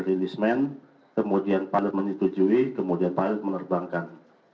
release man kemudian pilot menuju kemudian pilot menerbangkan